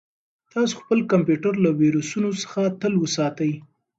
تاسو خپل کمپیوټر له ویروسونو څخه تل وساتئ.